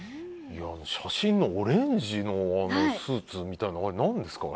写真のオレンジのスーツみたいなのあれ、何ですか？